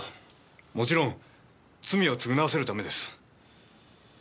もちろん罪を償わせるためです。